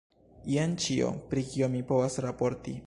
Jen ĉio, pri kio mi povas raporti.